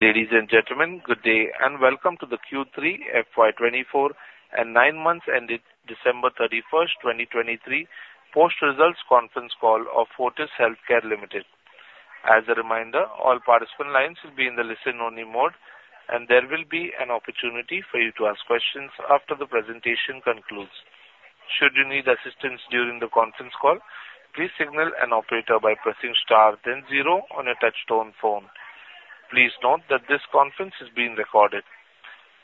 Ladies and gentlemen, good day, and welcome to the Q3 FY 2024 and nine months ended December 31, 2023 post-results conference call of Fortis Healthcare Limited. As a reminder, all participant lines will be in the listen-only mode, and there will be an opportunity for you to ask questions after the presentation concludes. Should you need assistance during the conference call, please signal an operator by pressing star then zero on your touchtone phone. Please note that this conference is being recorded.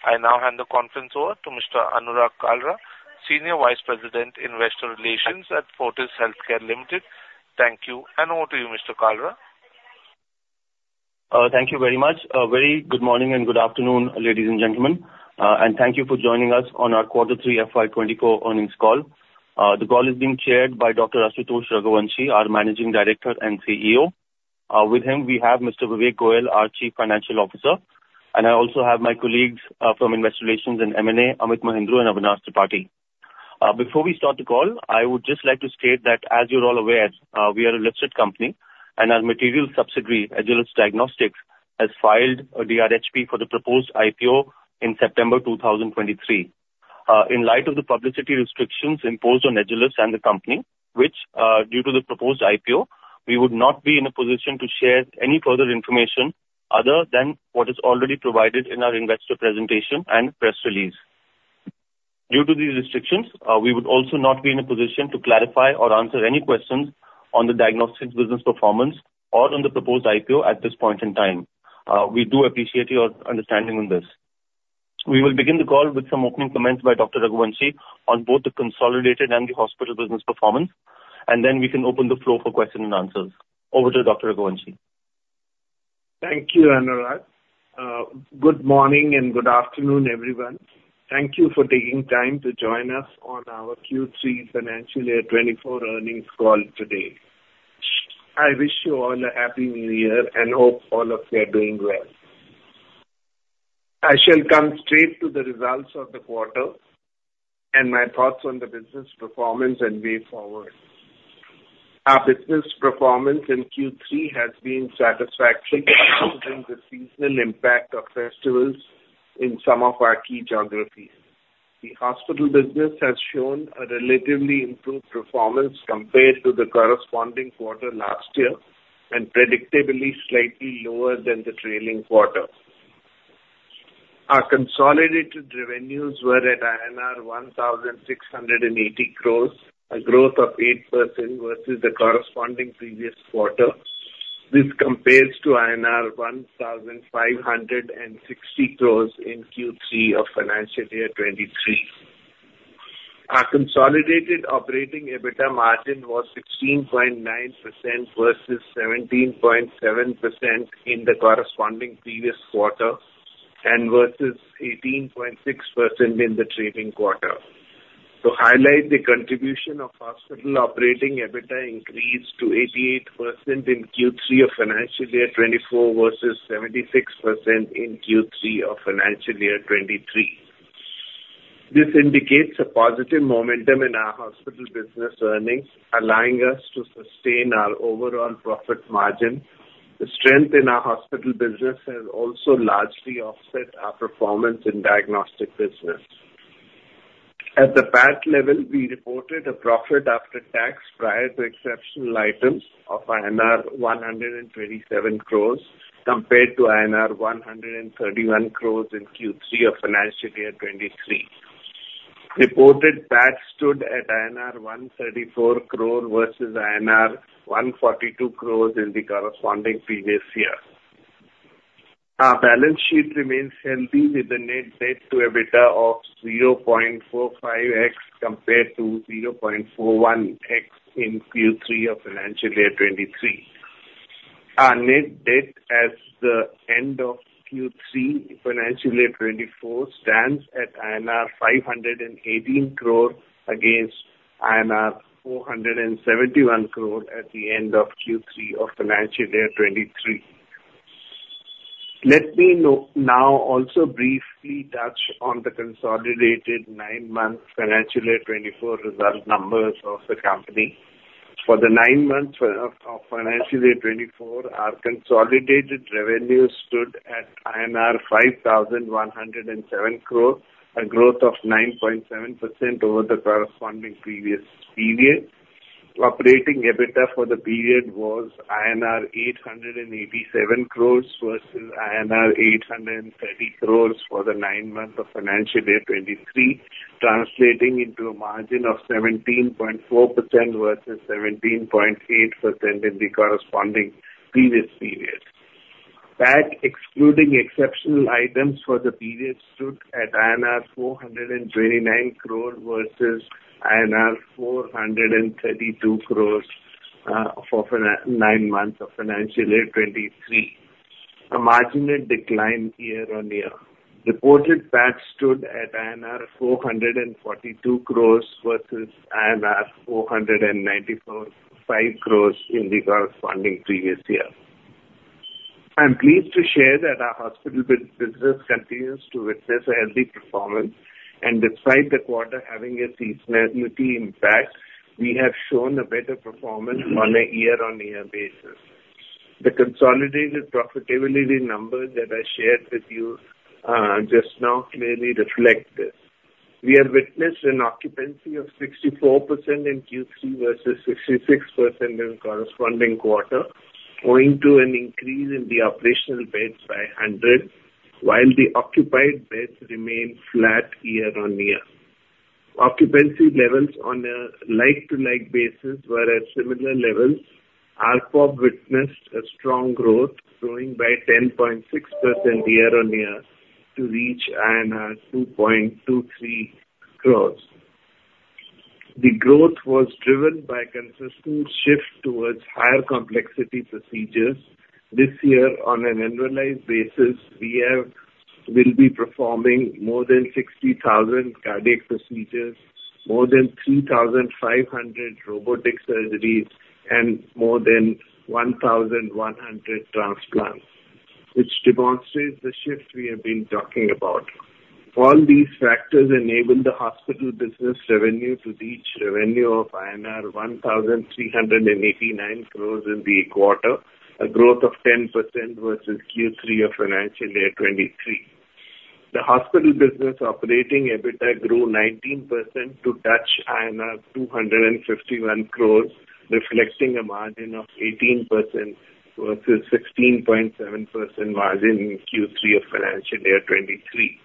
I now hand the conference over to Mr. Anurag Kalra, Senior Vice President, Investor Relations at Fortis Healthcare Limited. Thank you, and over to you, Mr. Kalra. Thank you very much. A very good morning and good afternoon, ladies and gentlemen, and thank you for joining us on our quarter three FY 2024 earnings call. The call is being chaired by Dr. Ashutosh Raghuvanshi, our Managing Director and CEO. With him, we have Mr. Vivek Goyal, our Chief Financial Officer, and I also have my colleagues from Investor Relations and M&A, Amit Mahendru and Avinash Tripathi. Before we start the call, I would just like to state that, as you're all aware, we are a listed company, and our material subsidiary, Agilus Diagnostics, has filed a DRHP for the proposed IPO in September 2023. In light of the publicity restrictions imposed on Agilus and the company, which, due to the proposed IPO, we would not be in a position to share any further information other than what is already provided in our investor presentation and press release. Due to these restrictions, we would also not be in a position to clarify or answer any questions on the diagnostics business performance or on the proposed IPO at this point in time. We do appreciate your understanding on this. We will begin the call with some opening comments by Dr. Raghuvanshi on both the consolidated and the hospital business performance, and then we can open the floor for questions and answers. Over to Dr. Raghuvanshi. Thank you, Anurag. Good morning, and good afternoon, everyone. Thank you for taking time to join us on our Q3 financial year 2024 earnings call today. I wish you all a Happy New Year and hope all of you are doing well. I shall come straight to the results of the quarter and my thoughts on the business performance and way forward. Our business performance in Q3 has been satisfactory considering the seasonal impact of festivals in some of our key geographies. The hospital business has shown a relatively improved performance compared to the corresponding quarter last year, and predictably slightly lower than the trailing quarter. Our consolidated revenues were at INR 1,680 crores, a growth of 8% versus the corresponding previous quarter. This compares to INR 1,560 crores in Q3 of financial year 2023. Our consolidated operating EBITDA margin was 16.9% versus 17.7% in the corresponding previous quarter and versus 18.6% in the trailing quarter. To highlight the contribution of hospital operating, EBITDA increased to 88% in Q3 of financial year 2024 versus 76% in Q3 of financial year 2023. This indicates a positive momentum in our hospital business earnings, allowing us to sustain our overall profit margin. The strength in our hospital business has also largely offset our performance in the diagnostic business. At the PAT level, we reported a profit after tax prior to exceptional items of INR 127 crore compared to INR 131 crore in Q3 of the financial year 2023. Reported PAT stood at INR 134 crore versus INR 142 crore in the corresponding previous year. Our balance sheet remains healthy, with a net debt to EBITDA of 0.45x compared to 0.41x in Q3 of financial year 2023. Our net debt at the end of Q3, financial year 2024, stands at INR 518 crore against INR 471 crore at the end of Q3 of financial year 2023. Let me now also briefly touch on the consolidated nine-month financial year 2024 result numbers of the company. For the nine months of financial year 2024, our consolidated revenue stood at INR 5,107 crore, a growth of 9.7% over the corresponding previous period. Operating EBITDA for the period was INR 887 crore versus INR 830 crore for the nine months of financial year 2023, translating into a margin of 17.4% versus 17.8% in the corresponding previous period. PAT, excluding exceptional items for the period, stood at INR 429 crore versus INR 432 crore for nine months of financial year 2023, a marginal decline year-on-year. Reported PAT stood at INR 442 crore versus INR 495 crore in the corresponding previous year. I'm pleased to share that our hospital business continues to witness a healthy performance and despite the quarter having a seasonality impact, we have shown a better performance on a year-on-year basis. The consolidated profitability number that I shared with you just now clearly reflect this. We have witnessed an occupancy of 64% in Q3 versus 66% in corresponding quarter, owing to an increase in the operational beds by 100, while the occupied beds remained flat year-on-year. Occupancy levels on a like-to-like basis were at similar levels. ARPOB witnessed a strong growth, growing by 10.6% year-on-year, to reach 2.23 crores. The growth was driven by consistent shift towards higher complexity procedures. This year, on an annualized basis, we'll be performing more than 60,000 cardiac procedures, more than 3,500 robotic surgeries, and more than 1,100 transplants, which demonstrates the shift we have been talking about. All these factors enabled the hospital business revenue to reach revenue of INR 1,389 crores in the quarter, a growth of 10% versus Q3 of financial year 2023. The hospital business operating EBITDA grew 19% to touch INR 251 crores, reflecting a margin of 18% versus 16.7% margin in Q3 of financial year 2023.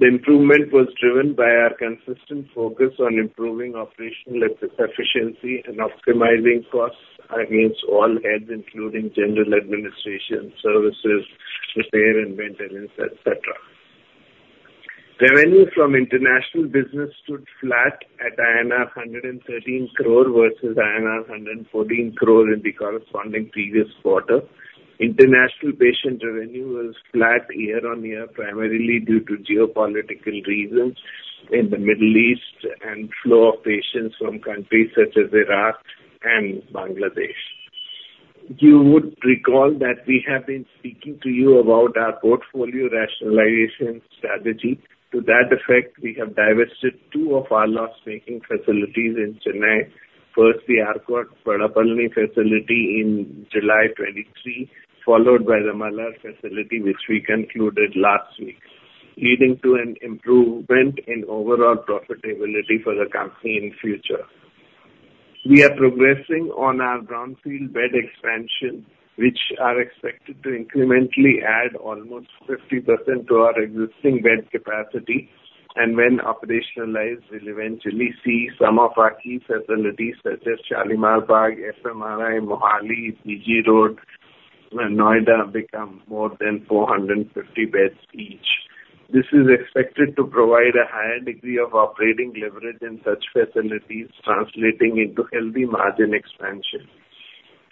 The improvement was driven by our consistent focus on improving operational efficiency and optimizing costs against all heads, including general administration, services, repair and maintenance, et cetera. Revenue from international business stood flat at INR 113 crore versus INR 114 crore in the corresponding previous quarter. International patient revenue was flat year-on-year, primarily due to geopolitical reasons in the Middle East and flow of patients from countries such as Iraq and Bangladesh. You would recall that we have been speaking to you about our portfolio rationalization strategy. To that effect, we have divested to of our loss-making facilities in Chennai. First, the Arcot Road facility in July 2023, followed by the Malar facility, which we concluded last week, leading to an improvement in overall profitability for the company in future. We are progressing on our brownfield bed expansion, which are expected to incrementally add almost 50% to our existing bed capacity, and when operationalized, we'll eventually see some of our key facilities, such as Shalimar Bagh, FMRI, Mohali, BG Road, and Noida, become more than 450 beds each. This is expected to provide a higher degree of operating leverage in such facilities, translating into healthy margin expansion.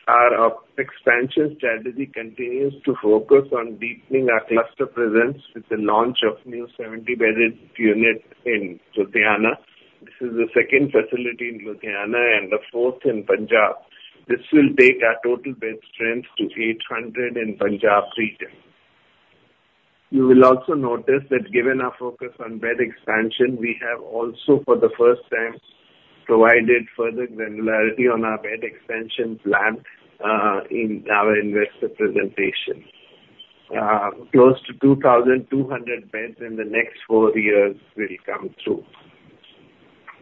Our expansion strategy continues to focus on deepening our cluster presence with the launch of new 70-bedded unit in Ludhiana. This is the second facility in Ludhiana and the fourth in Punjab. This will take our total bed strength to 800 in the Punjab region. You will also notice that given our focus on bed expansion, we have also, for the first time, provided further granularity on our bed expansion plan in our investor presentation. Close to 2,200 beds in the next four years will come through.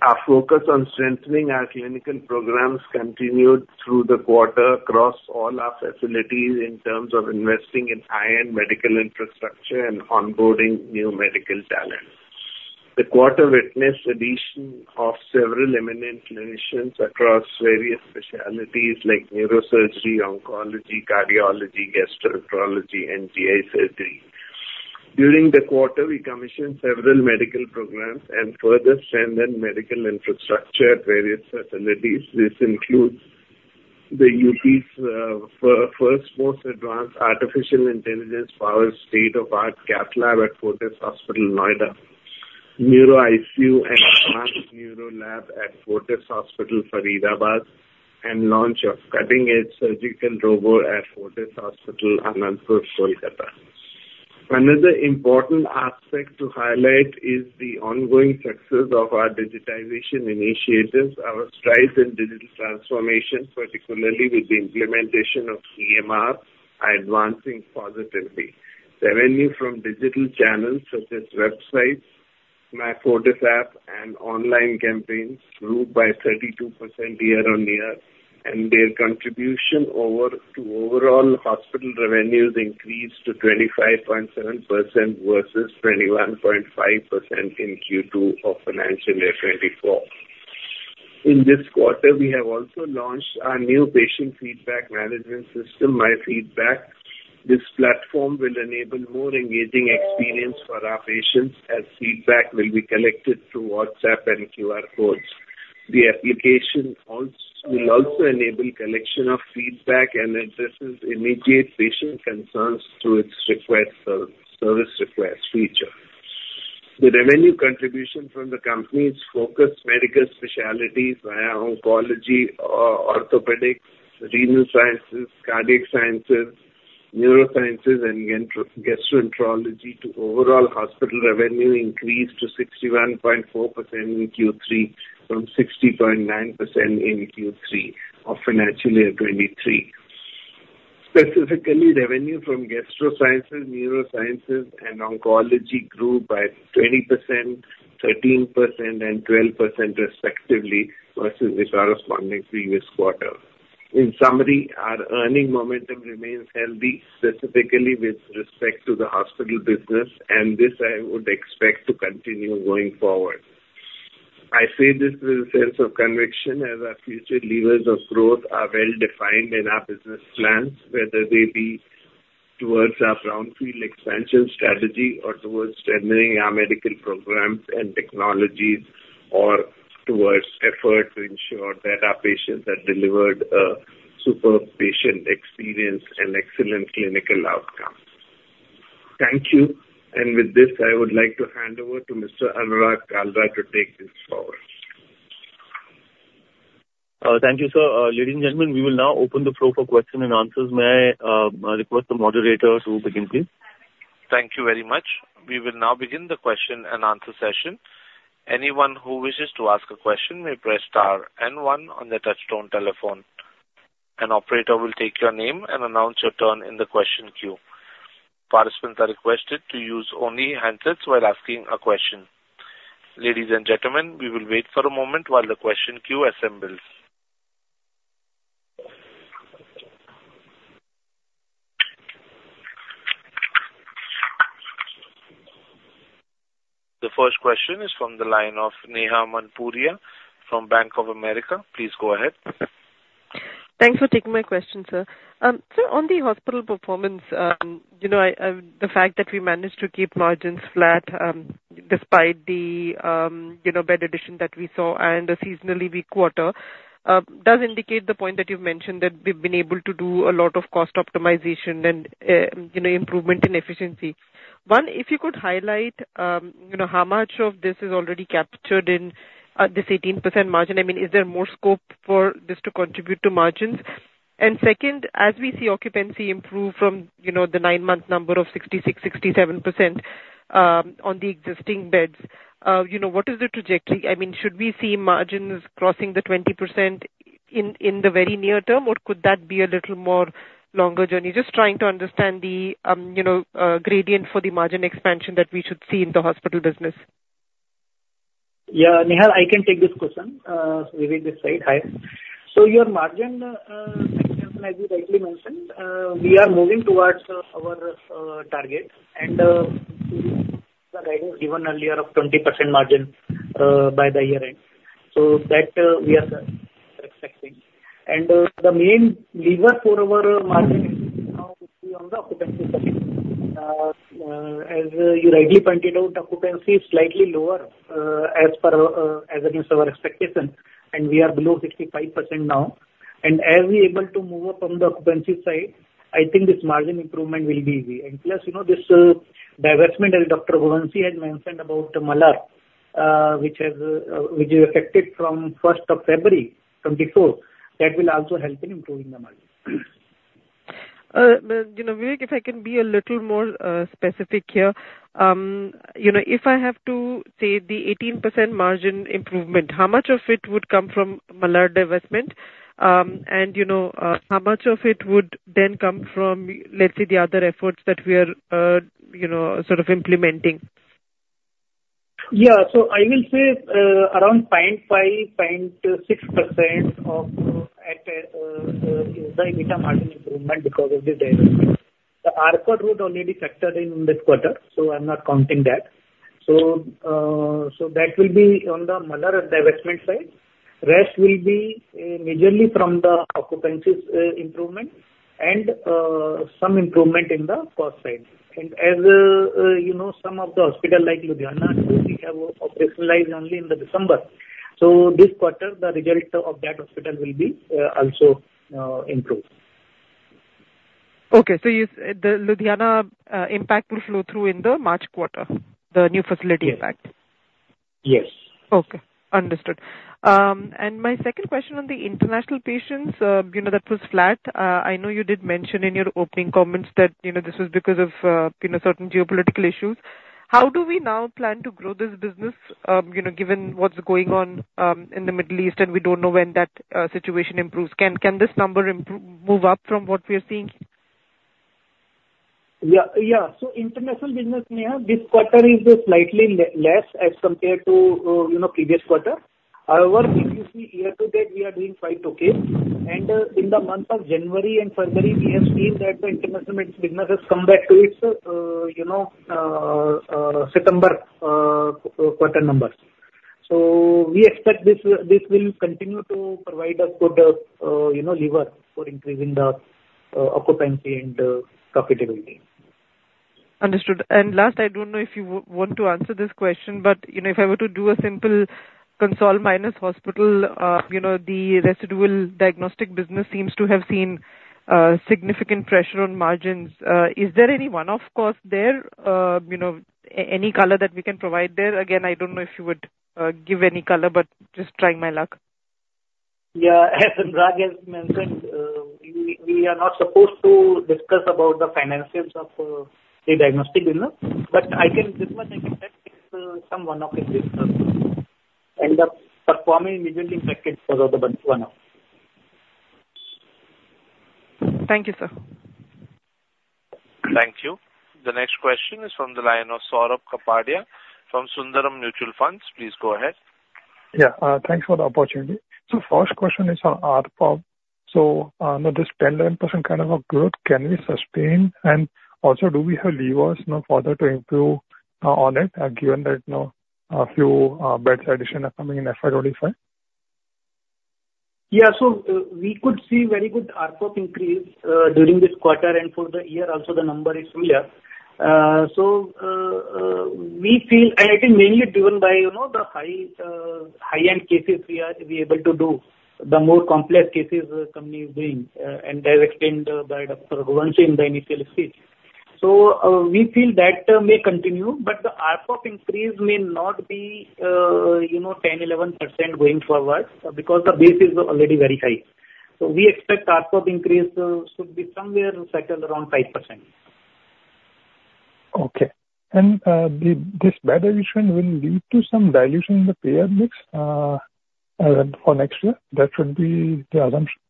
Our focus on strengthening our clinical programs continued through the quarter across all our facilities, in terms of investing in high-end medical infrastructure and onboarding new medical talent. The quarter witnessed addition of several eminent clinicians across various specialties like neurosurgery, oncology, cardiology, gastroenterology, and GI surgery. During the quarter, we commissioned several medical programs and further strengthened medical infrastructure at various facilities. This includes the UP's first most advanced artificial intelligence-powered state-of-the-art cath lab at Fortis Hospital, Noida, neuro ICU and advanced neuro lab at Fortis Hospital, Faridabad, and launch of cutting-edge surgical robot at Fortis Hospital, Anandapur, Kolkata. Another important aspect to highlight is the ongoing success of our digitization initiatives. Our strides in digital transformation, particularly with the implementation of EMR, are advancing positively. Revenue from digital channels, such as websites, myFortis app, and online campaigns, grew by 32% year-on-year, and their contribution over to overall hospital revenues increased to 25.7% versus 21.5% in Q2 of financial year 2024. In this quarter, we have also launched our new patient feedback management system, My Feedback. This platform will enable more engaging experience for our patients, as feedback will be collected through WhatsApp and QR codes. The application also will also enable collection of feedback and addresses immediate patient concerns through its service request feature. The revenue contribution from the company's focused medical specialties via oncology, orthopedics, renal sciences, cardiac sciences, neurosciences and gastroenterology to overall hospital revenue increased to 61.4% in Q3 from 60.9% in Q3 of financial year 2023. Specifically, revenue from gastro sciences, neurosciences and oncology grew by 20%, 13%, and 12% respectively, versus the corresponding previous quarter. In summary, our earnings momentum remains healthy, specifically with respect to the hospital business, and this I would expect to continue going forward. I say this with a sense of conviction as our future levers of growth are well defined in our business plans, whether they be towards our brownfield expansion strategy or towards strengthening our medical programs and technologies, or towards effort to ensure that our patients are delivered a superb patient experience and excellent clinical outcomes. Thank you. And with this, I would like to hand over to Mr. Anurag Kalra to take this forward. Thank you, sir. Ladies and gentlemen, we will now open the floor for question and answers. May I request the moderator to begin, please? Thank you very much. We will now begin the question-and-answer session. Anyone who wishes to ask a question may press star and one on their touchtone telephone. An operator will take your name and announce your turn in the question queue. Participants are requested to use only handsets while asking a question. Ladies and gentlemen, we will wait for a moment while the question queue assembles. The first question is from the line of Neha Manpuria from Bank of America. Please go ahead. Thanks for taking my question, sir. So on the hospital performance, you know, I, the fact that we managed to keep margins flat, despite the, you know, bed addition that we saw and a seasonally weak quarter, does indicate the point that you've mentioned, that we've been able to do a lot of cost optimization and, you know, improvement in efficiency. One, if you could highlight, you know, how much of this is already captured in this 18% margin. I mean, is there more scope for this to contribute to margins? And second, as we see occupancy improve from, you know, the nine-month number of 66%-67%, on the existing beds, you know, what is the trajectory? I mean, should we see margins crossing the 20% in the very near term, or could that be a little more longer journey? Just trying to understand the, you know, gradient for the margin expansion that we should see in the hospital business. Yeah, Neha, I can take this question. Vivek this side. Hi. So your margin, as you rightly mentioned, we are moving towards our target, and given earlier of 20% margin by the year end, so that we are expecting. And the main lever for our margin on the occupancy side. As you rightly pointed out, occupancy is slightly lower as against our expectation, and we are below 65% now. And as we are able to move up on the occupancy side, I think this margin improvement will be easy. And plus, you know, this divestment, as Dr. Raghuvanshi has mentioned about Malar, which is effective from first of February 2024, that will also help in improving the margin. But, you know, Vivek, if I can be a little more specific here. You know, if I have to say the 18% margin improvement, how much of it would come from Malar divestment? And, you know, how much of it would then come from, let's say, the other efforts that we are, you know, sort of implementing? Yeah. So I will say around 0.5%-0.6% of the EBITDA margin improvement because of the divestment. The Arcot Road already factored in this quarter, so I'm not counting that. So that will be on the Malar divestment side. Rest will be majorly from the occupancies improvement and some improvement in the cost side. And as you know, some of the hospital, like Ludhiana, only have operationalized only in the December. So this quarter, the result of that hospital will be also improved. Okay, so you said the Ludhiana impact will flow through in the March quarter, the new facility impact? Yes. Okay, understood. My second question on the international patients, you know, that was flat. I know you did mention in your opening comments that, you know, this was because of, you know, certain geopolitical issues. How do we now plan to grow this business, you know, given what's going on in the Middle East, and we don't know when that situation improves. Can this number move up from what we are seeing? Yeah, yeah. So international business, Neha, this quarter is slightly less as compared to, you know, previous quarter. However, if you see year to date, we are doing quite okay. In the month of January and February, we have seen that the international business has come back to its, you know, September quarter numbers. So we expect this will continue to provide a good, you know, lever for increasing the occupancy and profitability. Understood. And last, I don't know if you want to answer this question, but you know, if I were to do a simple Consol minus hospital, you know, the residual diagnostic business seems to have seen significant pressure on margins. Is there any one-off cost there? You know, any color that we can provide there? Again, I don't know if you would give any color, but just trying my luck. Yeah, as Raghuv mentioned, we are not supposed to discuss about the financials of the diagnostic business, but I can—this much I can say, it's some one-off in this term, and they're performing significantly better than the one now. Thank you, sir. Thank you. The next question is from the line of Saurabh Kapadia from Sundaram Mutual Funds. Please go ahead. Yeah. Thanks for the opportunity. So, the first question is on ARPOB. So, this 10%-11% kind of growth, can we sustain? And also do we have levers now further to improve on it, given that now a few beds addition are coming in FY 2025? Yeah. So, we could see very good ARPOB increase during this quarter, and for the year also, the number is clear. So, we feel, and I think mainly driven by, you know, the high, high-end cases we are able to do, the more complex cases the company is doing, and they're explained by Dr. Raghuvanshi in the initial stage. So, we feel that, may continue, but the ARPOB increase may not be, you know, 10, 11% going forward, because the base is already very high. So we expect ARPOB increase should be somewhere settled around 5%. Okay. This bed addition will lead to some dilution in the payer mix for next year. That should be the assumption.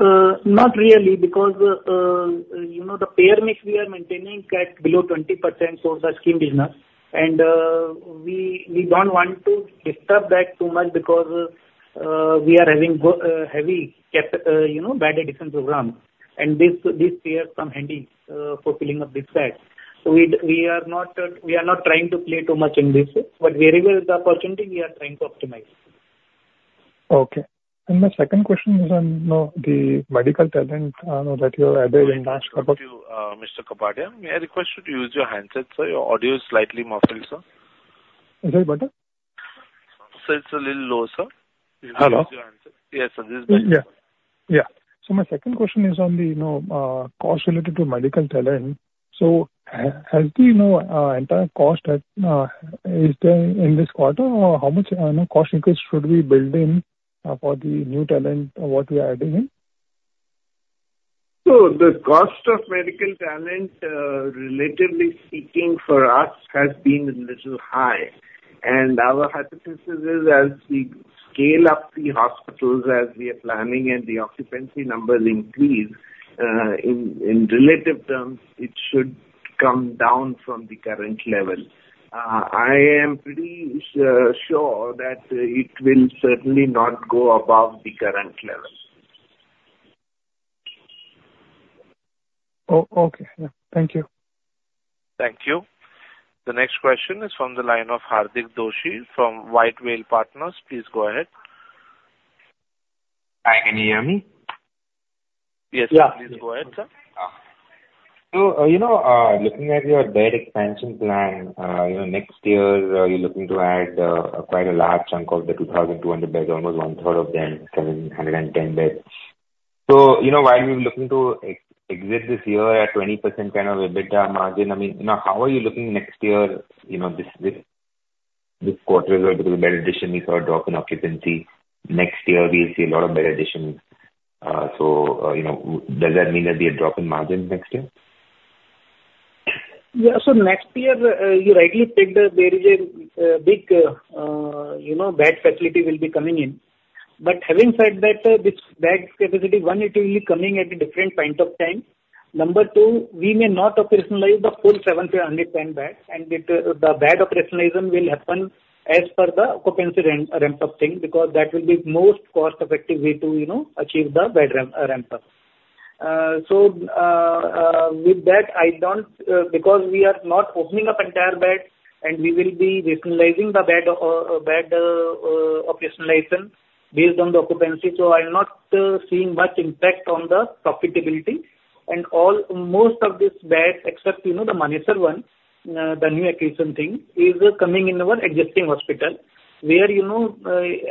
Not really, because, you know, the payer mix, we are maintaining at below 20% for the scheme business, and we don't want to disturb that too much because we are having heavy cap, you know, bed addition program, and this payer come handy for filling up this bed. So we are not, we are not trying to play too much in this, but wherever there's the opportunity, we are trying to optimize. Okay. And my second question is on, you know, the medical talent that you are adding in- Mr. Kapadia, may I request you to use your handset, sir? Your audio is slightly muffled, sir. Is that better? Sir, it's a little low, sir. Hello? Use your handset. Yes, sir. This is better. Yeah. Yeah. So my second question is on the, you know, cost related to medical talent. So has the, you know, entire cost at, is there in this quarter, or how much, you know, cost increase should we build in, for the new talent, what we are adding in? So the cost of medical talent, relatively speaking for us, has been a little high. Our hypothesis is, as we scale up the hospitals as we are planning and the occupancy numbers increase, in relative terms, it should come down from the current level. I am pretty sure that it will certainly not go above the current level. Okay. Yeah. Thank you. Thank you. The next question is from the line of Hardik Doshi from White Whale Partners. Please go ahead. Hi, can you hear me? Yes. Yeah. Please go ahead, sir. So, you know, looking at your bed expansion plan, you know, next year, you're looking to add quite a large chunk of the 2,200 beds, almost one third of them, 710 beds. So, you know, while we're looking to exit this year at 20% kind of EBITDA margin, I mean, now, how are you looking next year, you know, this quarter, with the bed addition, we saw a drop in occupancy. Next year, we'll see a lot of bed additions. So, you know, does that mean that there's a drop in margin next year? Yeah. So next year, you rightly picked that there is a big, you know, bed facility will be coming in. But having said that, this bed capacity, one, it will be coming at a different point of time. Number two, we may not operationalize the full 710 beds, and the bed operationalization will happen as per the occupancy ramp-up thing, because that will be most cost-effective way to, you know, achieve the bed ramp up. So, with that, I don't... because we are not opening up entire beds, and we will be rationalizing the bed operationalization based on the occupancy, so I'm not seeing much impact on the profitability. Almost all of these beds, except, you know, the Manesar one, the new acquisition thing, is coming in our existing hospital, where, you know,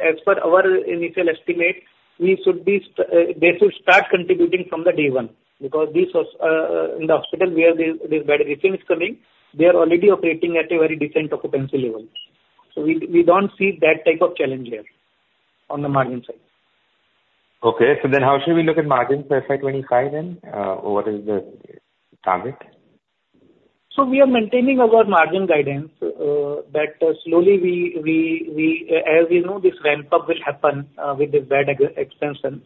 as per our initial estimate, they should start contributing from day one. Because these hospitals in the hospital where this, this bed addition is coming, they are already operating at a very decent occupancy level. So we don't see that type of challenge there on the margin side. Okay. So then how should we look at margins for FY 2025, then? What is the target? So we are maintaining our margin guidance, that slowly, as we know, this ramp up will happen with the bed expansion.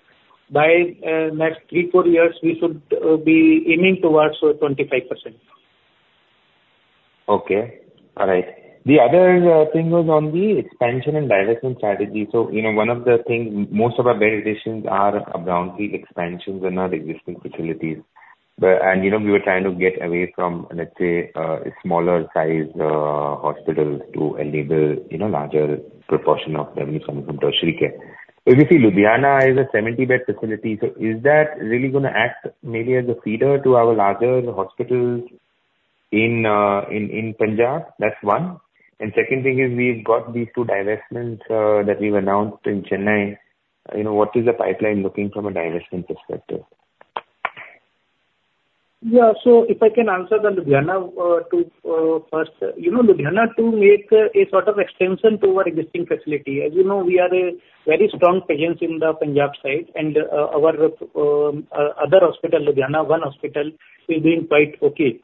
By next three to four years, we should be aiming towards 25%. Okay. All right. The other thing was on the expansion and divestment strategy. So, you know, one of the things, most of our bed additions are from the expansions in our existing facilities. But you know, we were trying to get away from, let's say, smaller size hospitals to enable, you know, larger proportion of revenue coming from tertiary care. If you see, Ludhiana is a 70-bed facility, so is that really gonna act maybe as a feeder to our larger hospitals in Punjab? That's one. And second thing is, we've got these two divestments that we've announced in Chennai. You know, what is the pipeline looking from a divestment perspective? Yeah, so if I can answer the Ludhiana Two first. You know, Ludhiana Two make a sort of extension to our existing facility. As you know, we are a very strong presence in the Punjab side, and our other hospital, Ludhiana One Hospital, is doing quite okay.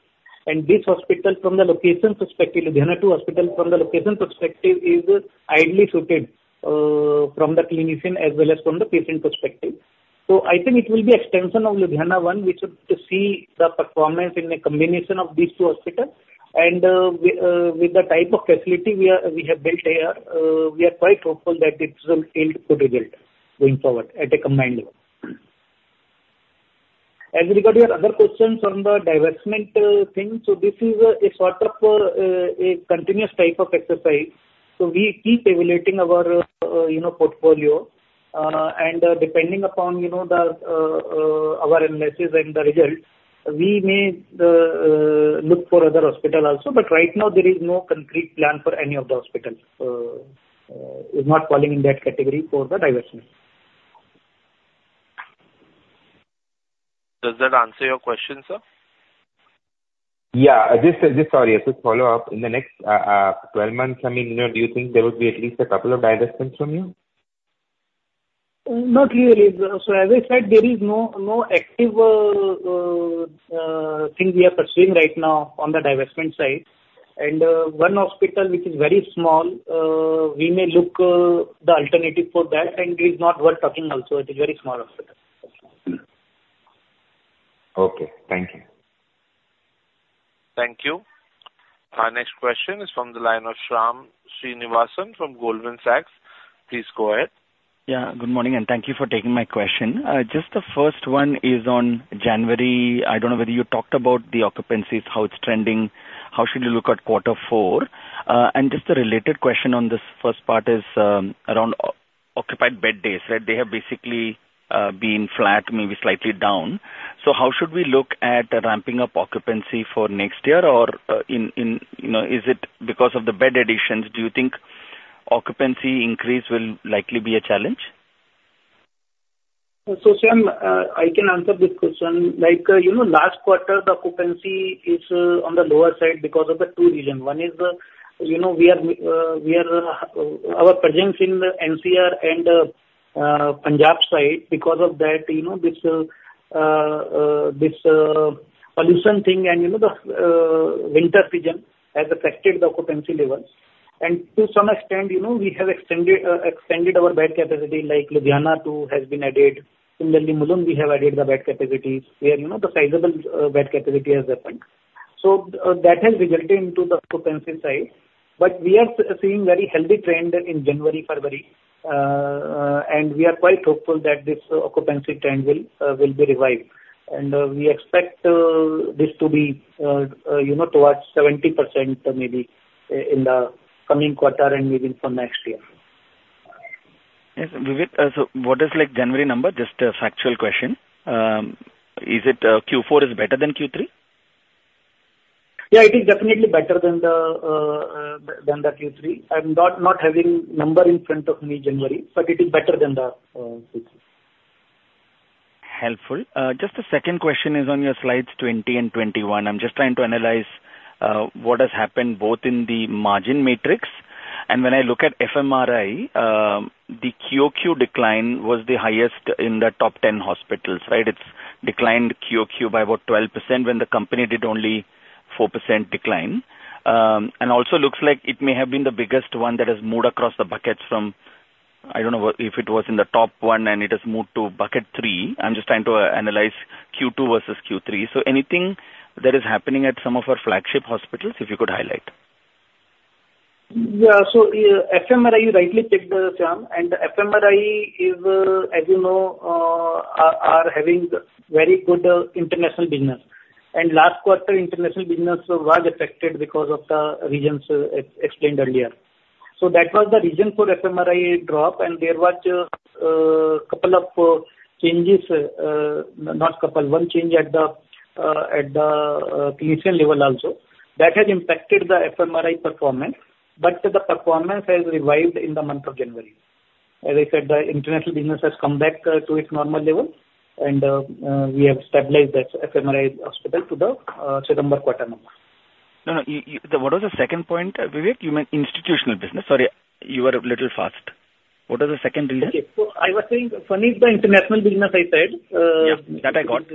And this hospital from the location perspective, Ludhiana Two Hospital, from the location perspective is ideally suited from the clinician as well as from the patient perspective. So I think it will be extension of Ludhiana One. We should see the performance in a combination of these two hospitals. And with the type of facility we are, we have built here, we are quite hopeful that it will yield good result going forward at a combined level. As regard your other questions on the divestment, thing, so this is a sort of, a continuous type of exercise. So we keep evaluating our, you know, portfolio, and, depending upon, you know, the, our analysis and the results, we may, look for other hospital also, but right now there is no concrete plan for any of the hospitals. It's not falling in that category for the divestment. Does that answer your question, sir? Yeah. Just sorry, a quick follow-up. In the next 12 months, I mean, you know, do you think there will be at least a couple of divestments from you? Not really. So as I said, there is no active thing we are pursuing right now on the divestment side. And one hospital which is very small, we may look the alternative for that, and it's not worth talking also; it is very small hospital. Okay, thank you. Thank you. Our next question is from the line of Shyam Srinivasan from Goldman Sachs. Please go ahead. Yeah, good morning, and thank you for taking my question. Just the first one is on January. I don't know whether you talked about the occupancies, how it's trending, how should you look at quarter four? And just a related question on this first part is, around occupied bed days, right? They have basically been flat, maybe slightly down. So how should we look at the ramping up occupancy for next year? Or, in, in, you know, is it because of the bed additions, do you think occupancy increase will likely be a challenge? So, Shyam, I can answer this question. Like, you know, last quarter the occupancy is on the lower side because of the two reason. One is, you know, we are our presence in the NCR and Punjab side, because of that, you know, this pollution thing and, you know, the winter season has affected the occupancy levels. And to some extent, you know, we have extended extended our bed capacity, like Ludhiana Two has been added. Similarly, Mulund, we have added the bed capacity where, you know, the sizable bed capacity has opened. So, that has resulted into the occupancy side. But we are seeing very healthy trend in January, February. And we are quite hopeful that this occupancy trend will will be revived. We expect this to be, you know, towards 70% maybe in the coming quarter and even for next year. Yes, Vivek, so what is like the January number? Just a factual question. Is it, Q4 is better than Q3? Yeah, it is definitely better than the Q3. I'm not having the number in front of me, January, but it is better than the Q3. Helpful. Just the second question is on your slides 20 and 21. I'm just trying to analyze what has happened, in the margin matrix. When I look at FMRI, the QoQ decline was the highest in the top 10 hospitals, right? It's declined QoQ by about 12%, when the company did only 4% decline. And also looks like it may have been the biggest one that has moved across the buckets from, I don't know whether it was in the top one, and it has moved to bucket three. I'm just trying to analyze Q2 versus Q3. So, anything that is happening at some of our flagship hospitals, if you could highlight? Yeah. So, FMRI, you rightly checked the Shyam, and FMRI is, as you know, are having very good international business. And last quarter, international business was affected because of the reasons explained earlier. So that was the reason for FMRI drop, and there was couple of changes, not couple, one change at the clinician level also. That has impacted the FMRI performance, but the performance has revived in the month of January. As I said, the international business has come back to its normal level, and we have stabilized that FMRI hospital to the September quarter number. No, no, what was the second point, Vivek? You meant institutional business? Sorry, you were a little fast. What was the second reason? Okay. So I was saying, one is the international business, I said, Yeah, that I got.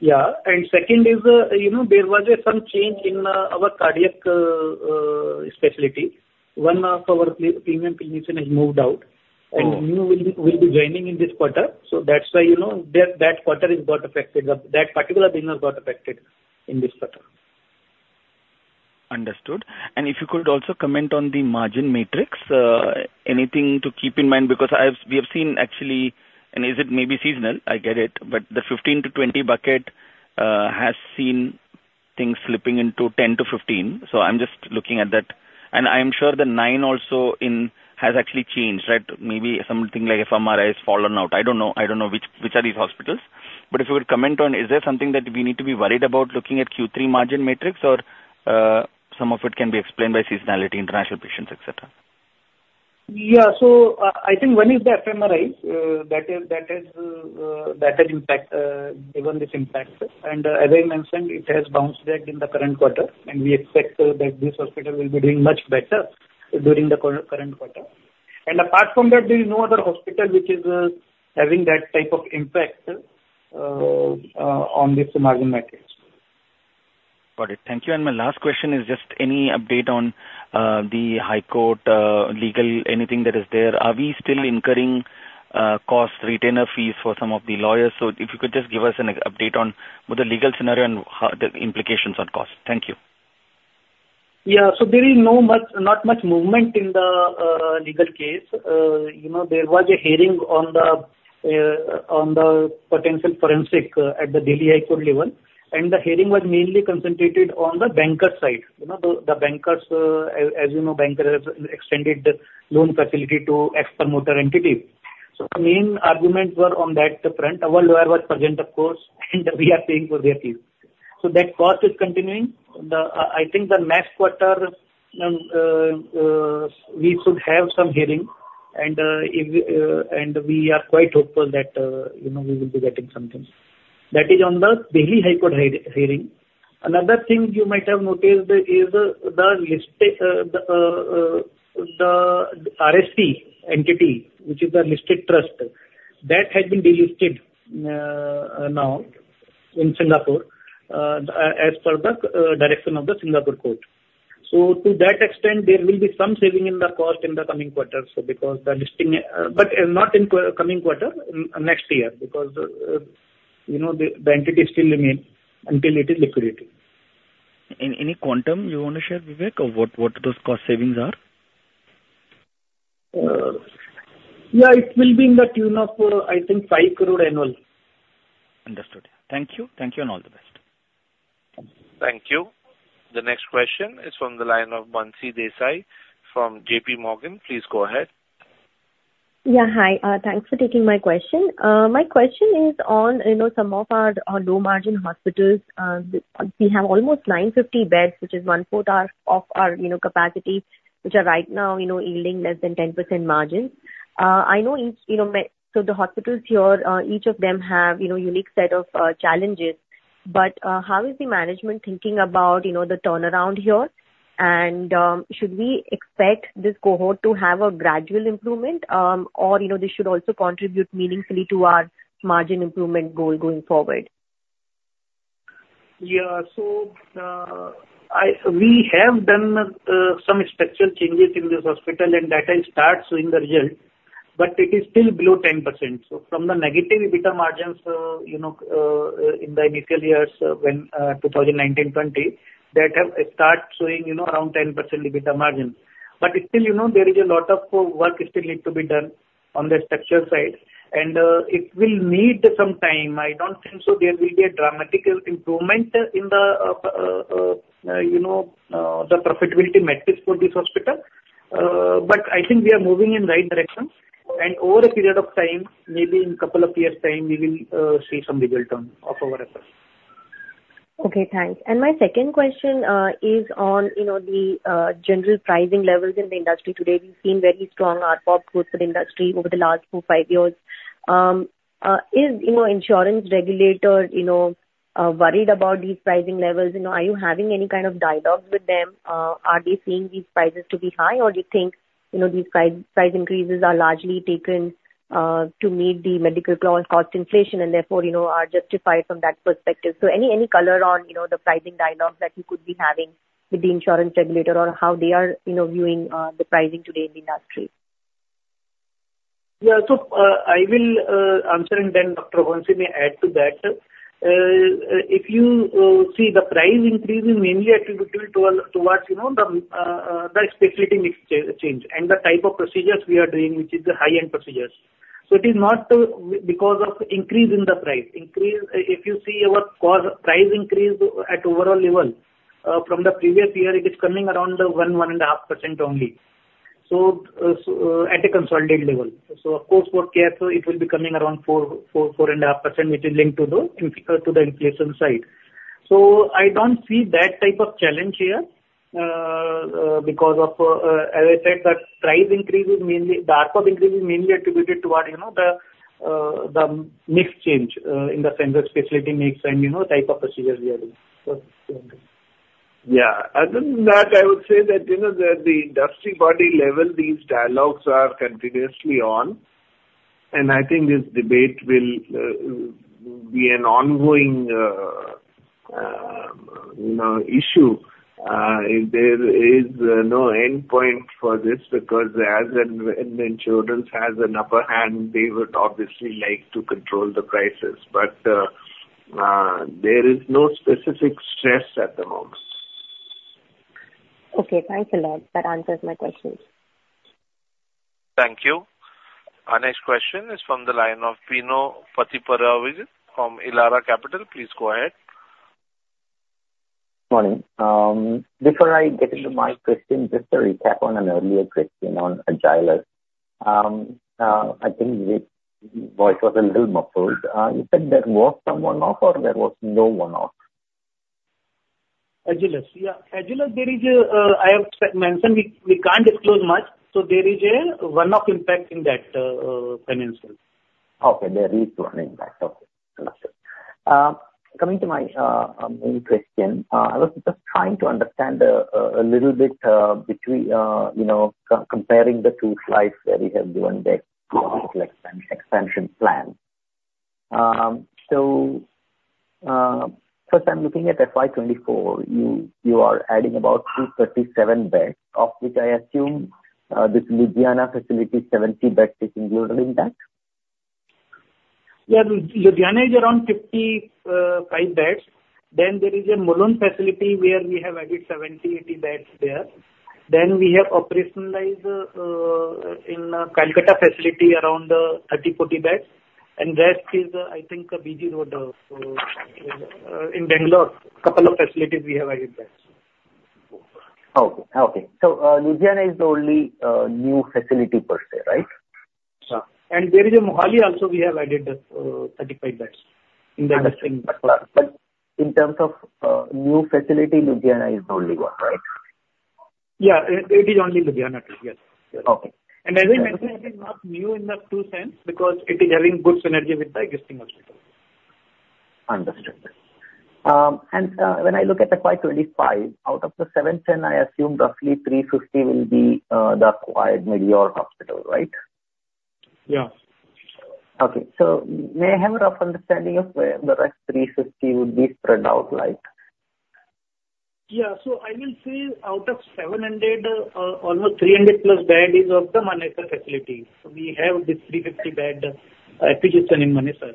Yeah. And second is, you know, there was some change in our cardiac specialty. One of our premium clinician has moved out- Oh. new will be joining in this quarter. So that's why, you know, that quarter is got affected or that particular business got affected in this quarter. Understood. And if you could also comment on the margin matrix. Anything to keep in mind? Because I've, we have seen actually. And is it maybe seasonal, I get it, but the 15-20 bucket has seen things slipping into 10-15. So I'm just looking at that. And I'm sure the nine also in has actually changed, right? Maybe something like FMRI has fallen out. I don't know, I don't know which, which are these hospitals. But if you would comment on, is there something that we need to be worried about looking at Q3 margin matrix, or some of it can be explained by seasonality, international patients, et cetera? Yeah, so, I think one is the FMRI, that is, that has impact, given this impact. And as I mentioned, it has bounced back in the current quarter, and we expect that this hospital will be doing much better during the current quarter. And apart from that, there is no other hospital which is having that type of impact on this margin metrics. Got it. Thank you. And my last question is just any update on the high court legal anything that is there? Are we still incurring cost retainer fees for some of the lawyers? So if you could just give us an update on both the legal scenario and how the implications on cost? Thank you. Yeah. So there is not much movement in the legal case. You know, there was a hearing on the potential forensic at the Delhi High Court level, and the hearing was mainly concentrated on the banker side. You know, the bankers, as you know, banker has extended the loan facility to ex-promoter entity. So the main arguments were on that front. Our lawyer was present, of course, and we are paying for their fees. So that cost is continuing. I think the next quarter we should have some hearing and if and we are quite hopeful that you know we will be getting something. That is on the Delhi High Court hearing. Another thing you might have noticed is the listed RHT entity, which is the listed trust, that has been delisted now in Singapore as per the direction of the Singapore court. So to that extent, there will be some saving in the cost in the coming quarters, because the listing, but not in coming quarter, next year, because, you know, the entity is still remain until it is liquidated. Any, any quantum you want to share, Vivek, or what, what those cost savings are? Yeah, it will be in the tune of, I think 5 crore annual. Understood. Thank you. Thank you, and all the best. Thank you. The next question is from the line of Bansi Desai, from JPMorgan. Please go ahead. Yeah, hi. Thanks for taking my question. My question is on, you know, some of our, our low-margin hospitals. We have almost 950 beds, which is one-fourth our, of our, you know, capacity, which are right now, you know, yielding less than 10% margins. I know each, you know, So the hospitals here, each of them has, you know, a unique set of, challenges. But, how is the management thinking about, you know, the turnaround here? And, should we expect this cohort to have a gradual improvement, or, you know, this should also contribute meaningfully to our margin improvement goal going forward? Yeah. So, I, we have done some structural changes in this hospital, and that has start showing the result, but it is still below 10%. So from the negative EBITDA margins, you know, in the initial years, when 2019, 2020, that have start showing, you know, around 10% EBITDA margins. But still, you know, there is a lot of work still need to be done on the structure side, and it will need some time. I don't think so there will be a dramatical improvement in the, you know, the profitability metrics for this hospital. But I think we are moving in right direction, and over a period of time, maybe in couple of years' time, we will see some result on, of our efforts. Okay, thanks. And my second question is on, you know, the general pricing levels in the industry today. We've seen very strong ARPOB growth for the industry over the last four to five years. Is, you know, insurance regulators, you know, worried about these pricing levels? You know, are you having any kind of dialogues with them? Are they seeing these prices to be high, or do you think, you know, these price increases are largely taken to meet the medical cost inflation, and therefore, you know, are justified from that perspective? So any color on, you know, the pricing dialogues that you could be having with the insurance regulator, or how they are, you know, viewing the pricing today in the industry? Yeah. So, I will answer, and then Dr. Bansi may add to that. If you see the price increase is mainly attributable toward, you know, the specialty mix change and the type of procedures we are doing, which is the high-end procedures. So it is not because of increase in the price. Increase, if you see our cost, price increase at overall level, from the previous year, it is coming around 1%-1.5% only, so at a consolidated level. So of course, for Care, it will be coming around 4%-4.5%, which is linked to the inflation side. So I don't see that type of challenge here, because of, as I said, that price increase is mainly, the ARPOB increase is mainly attributed toward, you know, the mix change in the center specialty mix and, you know, type of procedures we are doing. So. Yeah. Other than that, I would say that, you know, the industry body level, these dialogues are continuously on, and I think this debate will be an ongoing issue. There is no endpoint for this, because as an insurance has an upper hand, they would obviously like to control the prices, but there is no specific stress at the moment. Okay, thanks a lot. That answers my questions. Thank you. Our next question is from the line of Bino Pathiparampil from Elara Capital. Please go ahead. Morning. Before I get into my question, just a recap on an earlier question on Agilus. I think the voice was a little muffled. You said there was some one-off or there was no one-off? Agilus. Yeah, Agilus, there is a, I have mentioned, we can't disclose much, so there is a one-off impact in that financial. Okay, there is one impact. Okay. Understood. Coming to my main question, I was just trying to understand a little bit between you know comparing the two slides where you have given the expansion plan. So, first I'm looking at FY 2024, you are adding about 237 beds, of which I assume this Ludhiana facility, 70 beds is included in that? Yeah. Ludhiana is around 55 beds. Then there is a Mulund facility where we have added 70-80 beds there. Then we have operationalized in Kolkata facility, around 30-40 beds, and rest is, I think, BG Road in Bangalore, couple of facilities we have added there. Okay, okay. So, Ludhiana is the only, new facility per se, right? Yeah. And there is a Mohali also, we have added 35 beds in the existing. In terms of new facility, Ludhiana is the only one, right? Yeah, it is only Ludhiana, yes. Okay. As I mentioned, it's not new in the true sense, because it is having good synergy with the existing hospital. Understood. When I look at the FY 2025, out of the 710, I assume roughly 350 will be the acquired Medeor Hospital, right? Yeah. Okay. So may I have a rough understanding of where the rest 350 would be spread out like? Yeah. So I will say out of 700, almost 300+ beds of the Manesar facility. So we have this 300-bed acquisition in Manesar.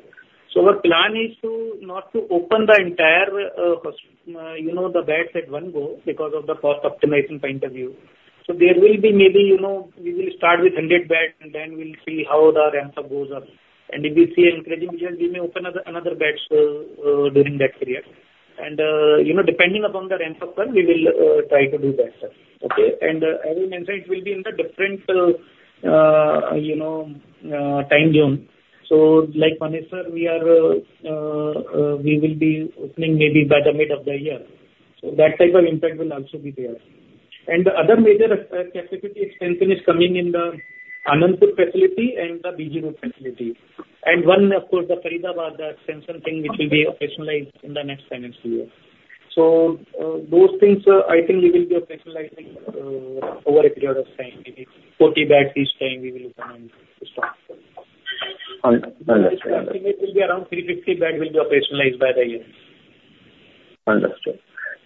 So our plan is to not open the entire, you know, the beds at one go because of the cost optimization point of view. So there will be maybe, you know, we will start with 100 beds, and then we'll see how the ramp-up goes up. And if we see an increasing, we may open up another beds during that period. And, you know, depending upon the ramp-up time, we will try to do better. Okay? And as I mentioned, it will be in the different, you know, time zone. So, like Manesar, we are, we will be opening maybe by the mid of the year. So that type of impact will also be there. And the other major capacity expansion is coming in the Anandapur facility and the BG Road facility. And one, of course, the Faridabad, the extension thing, which will be operationalized in the next financial year. So, those things, I think we will be operationalizing, over a period of time. Maybe 40 beds each time we will come and start. Under- understood. It will be around 350 beds will be operationalized by the year.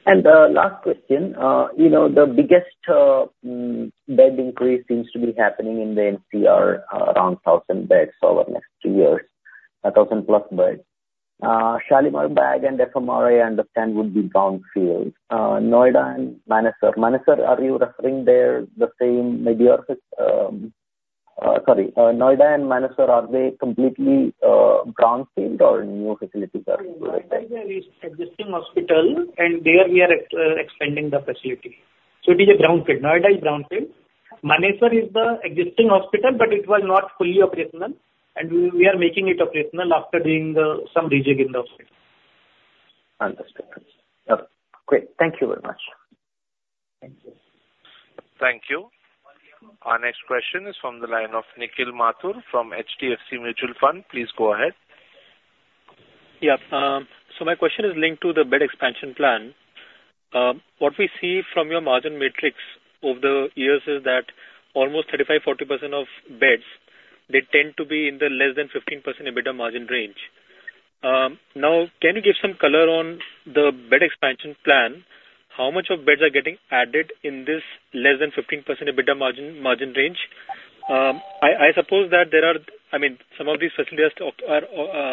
Understood. Last question, you know, the biggest bed increase seems to be happening in the NCR, around 1,000 beds over the next two years, 1,000+ beds. Shalimar Bagh and FMRI, I understand, would be brownfields. Noida and Manesar. Manesar, are you referring to same Medeor, sorry, Noida and Manesar, are they completely brownfield or new facilities are- Noida is existing hospital, and there we are expanding the facility. So it is a brownfield. Noida is brownfield. Manesar is the existing hospital, but it was not fully operational, and we are making it operational after doing some rejig in the hospital. Understood. Okay, great. Thank you very much. Thank you. Thank you. Our next question is from the line of Nikhil Mathur from HDFC Mutual Fund. Please go ahead. Yeah, so my question is linked to the bed expansion plan. What we see from your margin matrix over the years is that almost 35%-40% of beds tend to be in the less than 15% EBITDA margin range. Now, can you give some color on the bed expansion plan? How much of beds are getting added in this less than 15% EBITDA margin range? I suppose that there are—I mean, some of these facilities are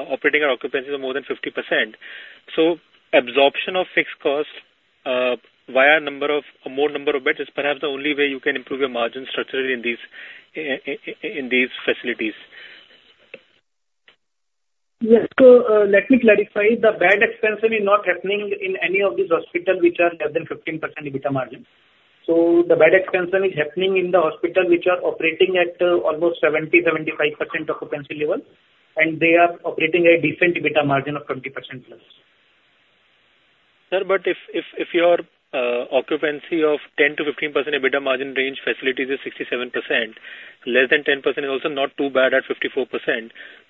operating at occupancies of more than 50%. So absorption of fixed costs via number of, more number of beds is perhaps the only way you can improve your margin structurally in these facilities. Yes, so, let me clarify. The bed expansion is not happening in any of these hospitals which are less than 15% EBITDA margin. The bed expansion is happening in the hospital, which are operating at, almost 70%-75% occupancy level, and they are operating a decent EBITDA margin of 20%+. Sir, but if your occupancy of 10%-15% EBITDA margin range facilities is 67%, less than 10% is also not too bad at 54%.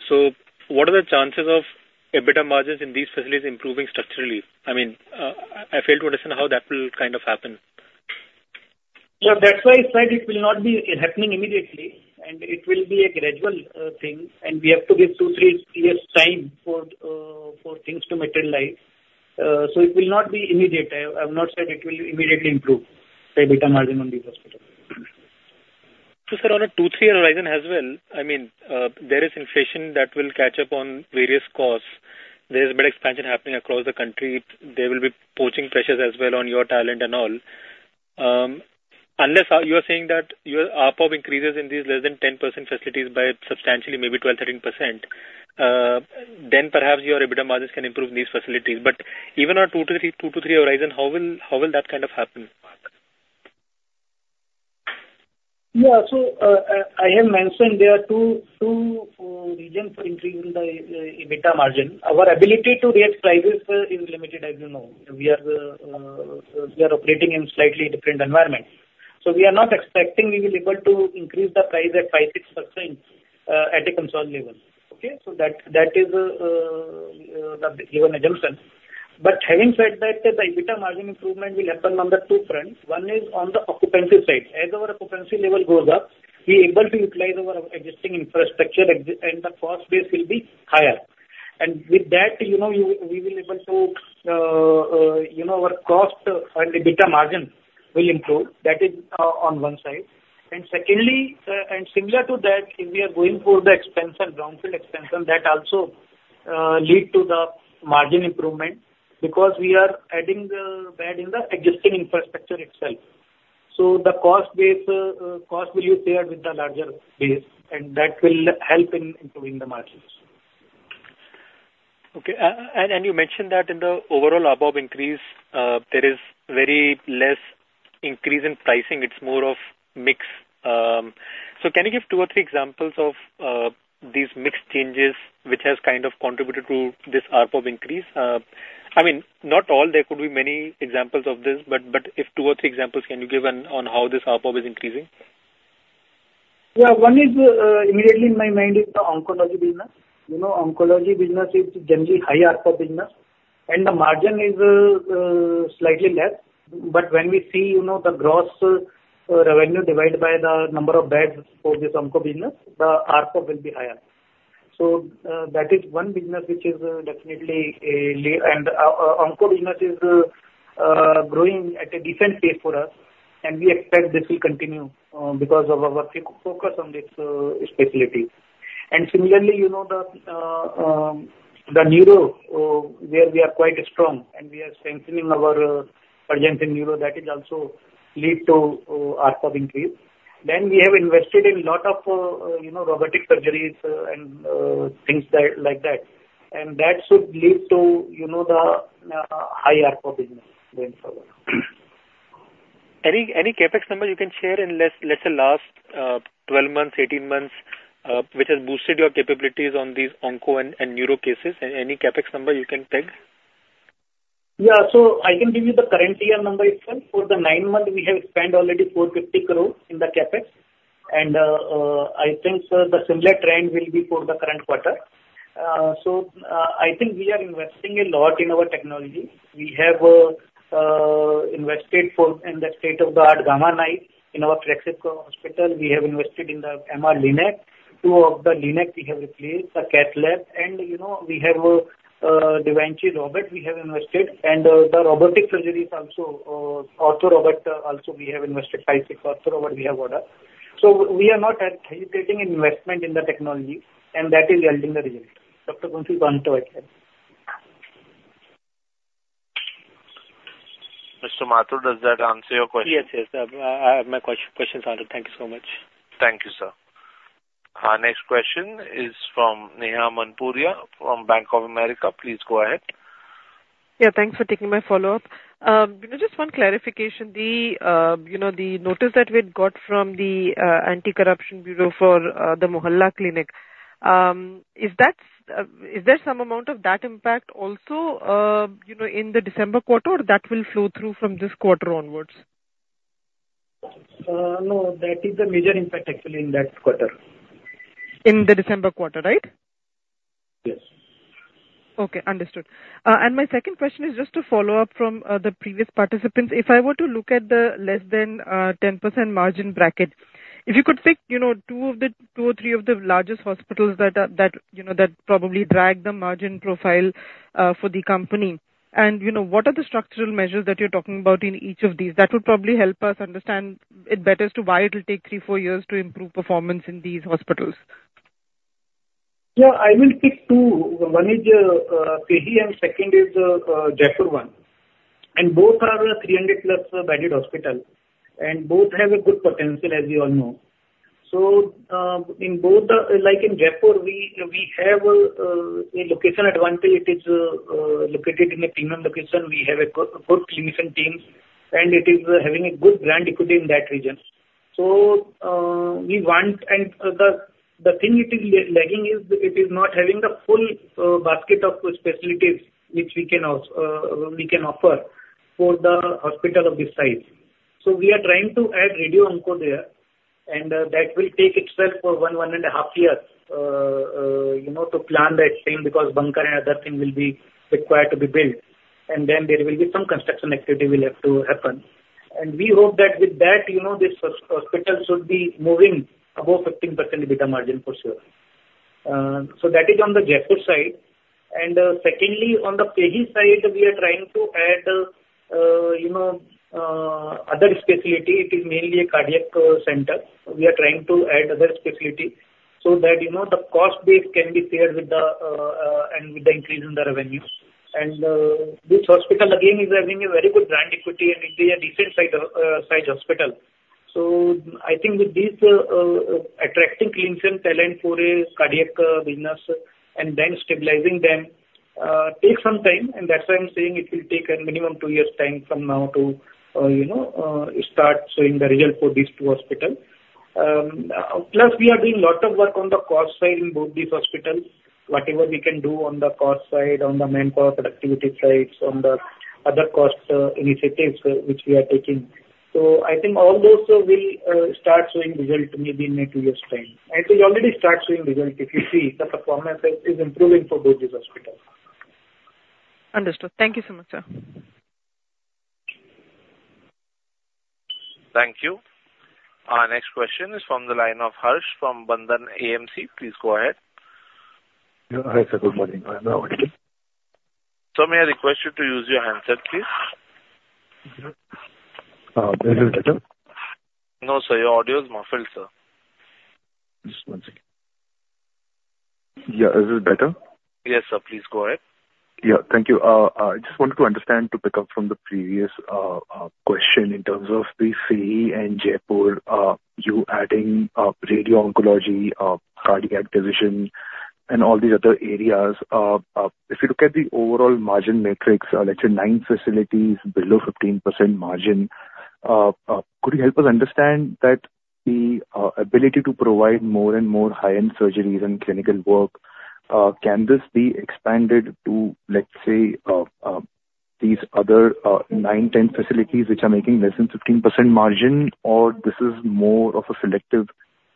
So what are the chances of EBITDA margins in these facilities improving structurally? I mean, I fail to understand how that will kind of happen. Yeah, that's why I said it will not be happening immediately, and it will be a gradual thing, and we have to give two to three years' time for things to materialize. So it will not be immediate. I have not said it will immediately improve the EBITDA margin on these hospitals. So, sir, on a two to three horizon as well, I mean, there is inflation that will catch up on various costs. There is bed expansion happening across the country. There will be poaching pressures as well on your talent and all. Unless you are saying that your ARPOB increases in these less than 10% facilities by substantially maybe 12%-13%, then perhaps your EBITDA margins can improve these facilities. But even on two to three, two to three horizon, how will that kind of happen? Yeah, so, I have mentioned there are two, two reasons for increasing the EBITDA margin. Our ability to raise prices is limited, as you know. We are, we are operating in slightly different environment, so we are not expecting we will be able to increase the price at 5%-6%, at a consolidated level. Okay? So that, that is, the given assumption. But having said that, the EBITDA margin improvement will happen on the two fronts. One is on the occupancy side. As our occupancy level goes up, we able to utilize our existing infrastructure and the cost base will be higher. And with that, you know, you, we will able to, you know, our cost and EBITDA margin will improve. That is, on one side. Secondly, and similar to that, if we are going for the expansion, brownfield expansion, that also lead to the margin improvement, because we are adding the bed in the existing infrastructure itself. So the cost base, cost will be shared with the larger base, and that will help in improving the margins. Okay. And you mentioned that in the overall ARPOB increase, there is very less increase in pricing, it's more of mix. So can you give two or three examples of these mix changes which has kind of contributed to this ARPOB increase? I mean, not all, there could be many examples of this, but if two or three examples can you give on how this ARPOB is increasing? Yeah, one is immediately in my mind is the oncology business. You know, oncology business is generally high ARPOB business, and the margin is slightly less. But when we see, you know, the gross revenue divided by the number of beds for this onco business, the ARPOB will be higher. So, that is one business which is definitely. And onco business is growing at a different pace for us, and we expect this will continue because of our focus on this specialty. And similarly, you know, the neuro where we are quite strong and we are strengthening our presence in neuro, that is also lead to ARPOB increase. Then we have invested in lot of you know, robotic surgeries and things like that. That should lead to, you know, the high ARPOB business going forward. Any CapEx number you can share in, let's say, last 12 months, 18 months, which has boosted your capabilities on these onco and neuro cases? Any CapEx number you can peg? Yeah. So I can give you the current year number itself. For the nine months we have spent already, 450 crore in the CapEx, and I think a similar trend will be for the current quarter. So I think we are investing a lot in our technology. We have invested in the state-of-the-art Gamma Knife in our Tricity Hospital. We have invested in the MR Linac. Two of the Linacs we have replaced, the Cath Lab, and, you know, we have a da Vinci robot we have invested. And the robotic surgery is also Ortho Robot also we have invested, five to six Ortho Robot we have ordered. So we are not hesitating in investment in the technology, and that is yielding the result. Dr. Kunal, you want to add here? Mr. Mathur, does that answer your question? Yes, yes. My question is answered. Thank you so much. Thank you, sir. Our next question is from Neha Manpuria, from Bank of America. Please go ahead. Yeah, thanks for taking my follow-up. You know, just one clarification, the, you know, the notice that we'd got from the, Anti-Corruption Bureau for, the Mohalla Clinic, is that's, is there some amount of that impact also, you know, in the December quarter, or that will flow through from this quarter onwards? No, that is a major impact actually in that quarter. In the December quarter, right? Yes. Okay, understood. My second question is just to follow up from the previous participants. If I were to look at the less than 10% margin bracket, if you could pick, you know, two of the two or three of the largest hospitals that are, you know, that probably drag the margin profile for the company, and, you know, what are the structural measures that you're talking about in each of these? That would probably help us understand it better as to why it'll take three to four years to improve performance in these hospitals. Yeah, I will pick two. One is FEHI, and second is Jaipur one. And both are 300+ bedded hospital, and both have a good potential, as you all know. So, in both the like in Jaipur, we have a location advantage. It is located in a premium location. We have a good clinician team, and it is having a good brand equity in that region. So, we want... And the thing it is lacking is it is not having the full basket of specialties which we can also offer for the hospital of this size. We are trying to add radio onco there, and that will take itself for one to one and a half years, you know, to plan that thing, because bunker and other thing will be required to be built, and then there will be some construction activity will have to happen. And we hope that with that, you know, this hospital should be moving above 15% EBITDA margin for sure. So that is on the Jaipur side. And secondly, on the FEHI side, we are trying to add, you know, other specialty. It is mainly a cardiac center. We are trying to add other specialty so that, you know, the cost base can be shared with the, and with the increase in the revenues. This hospital again is having a very good brand equity, and it is a decent-sized hospital. So I think with this, attracting clinician talent for a cardiac business and then stabilizing them take some time, and that's why I'm saying it will take a minimum two years' time from now to, you know, start showing the result for these two hospitals. Plus we are doing a lot of work on the cost side in both these hospitals. Whatever we can do on the cost side, on the manpower productivity sides, on the other cost initiatives which we are taking. So I think all those will start showing result maybe in a two years' time. They already start showing result. If you see, the performance is improving for both these hospitals. Understood. Thank you so much, sir. Thank you. Our next question is from the line of Harsh, from Bandhan AMC. Please go ahead. Yeah. Hi, sir, good morning. I am now- Sir, may I request you to use your handset, please? Is it better? No, sir. Your audio is muffled, sir. Just one second. Yeah, is it better? Yes, sir, please go ahead. Yeah. Thank you. I just wanted to understand, to pick up from the previous question in terms of the Fortis Escorts and Jaipur, you are adding radiation oncology, cardiac division, and all these other areas. If you look at the overall margin metrics, let's say nine facilities below 15% margin, could you help us understand the ability to provide more and more high-end surgeries and clinical work? Can this be expanded to, let's say, these other nine, 10 facilities which are making less than 15% margin, or this is more of a selective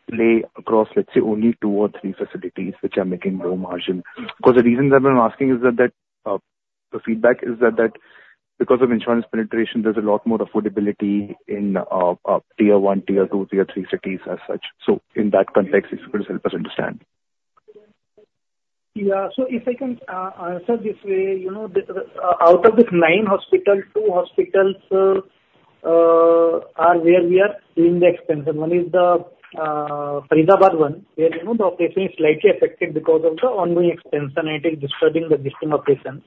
play across, let's say, only two or three facilities which are making low margin? Because the reason that I'm asking is that the feedback is that because of insurance penetration, there's a lot more affordability in Tier 1, Tier 2, Tier 3 cities as such. So in that context, if you could help us understand. Yeah. So if I can answer this way, you know, out of the nine hospitals, two hospitals are where we are doing the expansion. One is the Faridabad one, where, you know, the operation is slightly affected because of the ongoing expansion, it is disturbing the existing operations.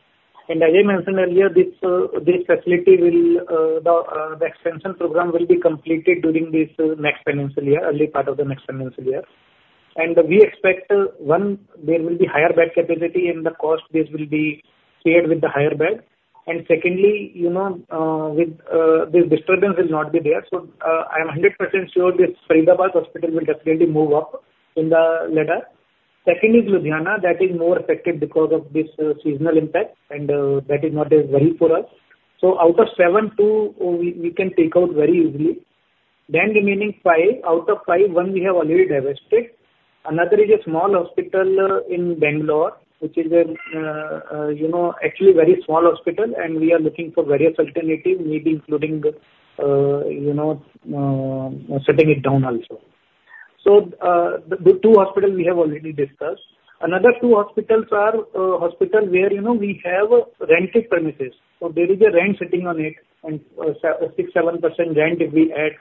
And as I mentioned earlier, this facility, the expansion program will be completed during this next financial year, early part of the next financial year. And we expect, one, there will be higher bed capacity and the cost base will be shared with the higher bed. And secondly, you know, with this disturbance will not be there. So, I am 100% sure this Faridabad hospital will definitely move up in the ladder. Second is Ludhiana. That is more affected because of this seasonal impact, and that is not very poor us. So out of seven, two we can take out very easily. Then remaining five, out of five, one we have already divested. Another is a small hospital in Bangalore, which is a you know actually a very small hospital, and we are looking for various alternatives, maybe including you know shutting it down also. So the two hospital we have already discussed. Another two hospitals are hospital where you know we have rented premises. So there is a rent sitting on it, and 6%-7% rent if we add.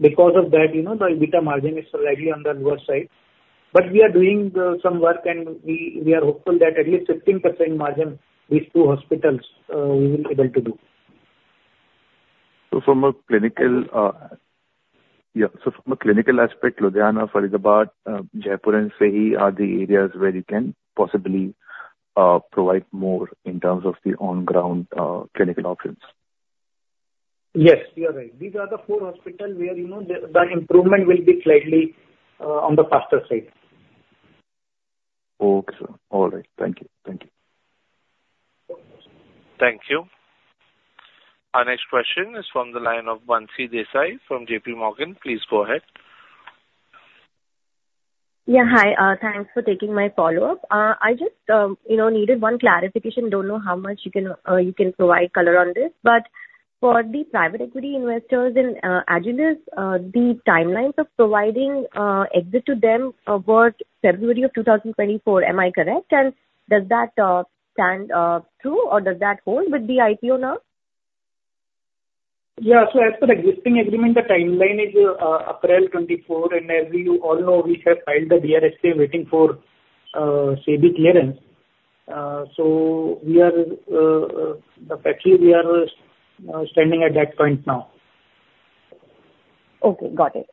Because of that you know the EBITDA margin is slightly on the lower side. We are doing some work, and we are hopeful that at least 15% margin these two hospitals we will be able to do. Yeah, so from a clinical aspect, Ludhiana, Faridabad, Jaipur and FEHI are the areas where you can possibly provide more in terms of the on-ground clinical options? Yes, you are right. These are the four hospitals where, you know, the improvement will be slightly on the faster side. Okay, sir. All right. Thank you. Thank you. Thank you. Our next question is from the line of Bansi Desai, from JPMorgan. Please go ahead. Yeah, hi. Thanks for taking my follow-up. I just, you know, needed one clarification. Don't know how much you can, you know, you can provide color on this. But for the private equity investors in, Agilus, the timelines of providing, exit to them about February of 2024, am I correct? And does that, stand, true, or does that hold with the IPO now? Yeah. So as per the existing agreement, the timeline is April 2024, and as you all know, we have filed the DRHP waiting for SEBI clearance. So we are, but actually we are standing at that point now. Okay, got it.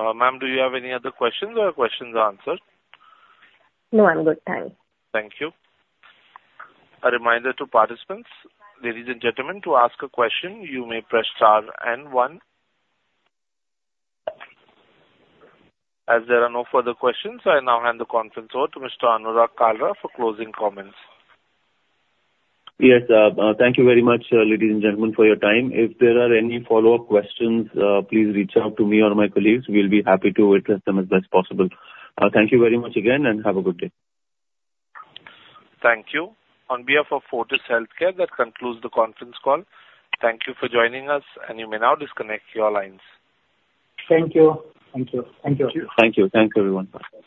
Ma'am, do you have any other questions, or your questions are answered? No, I'm good. Thank you. Thank you. A reminder to participants, ladies and gentlemen, to ask a question, you may press star and one. As there are no further questions, I now hand the conference over to Mr. Anurag Kalra for closing comments. Yes, thank you very much, ladies and gentlemen, for your time. If there are any follow-up questions, please reach out to me or my colleagues. We'll be happy to address them as best possible. Thank you very much again, and have a good day. Thank you. On behalf of Fortis Healthcare, that concludes the conference call. Thank you for joining us, and you may now disconnect your lines. Thank you. Thank you. Thank you. Thank you, everyone. Bye-bye.